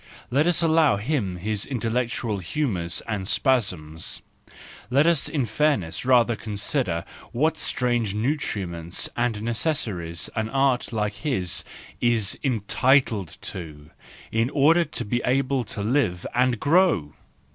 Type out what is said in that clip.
Let us allow him his intellectual humours and spasms, let us in fairness rather consider what strange nutriments and necessaries an art like his is entitled to y in order to be able to live and grow